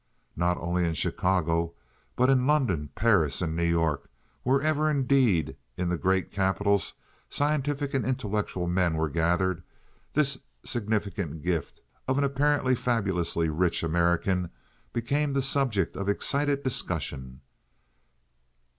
Not only in Chicago, but in London, Paris, and New York, wherever, indeed, in the great capitals scientific and intellectual men were gathered, this significant gift of an apparently fabulously rich American became the subject of excited discussion.